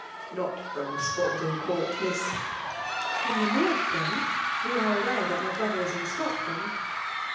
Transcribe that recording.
" Not from Spalding Court, Miss." " From the North, then ?— We are aware that my brother is in Scotland.'